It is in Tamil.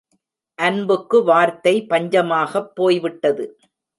அன்புக்கு வார்த்தை பஞ்சமாகப் போய்விட்டது.